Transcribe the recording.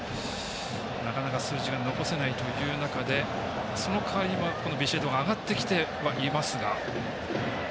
なかなか数字が残せないという中でその代わりとしてビシエドが上がってきていますが。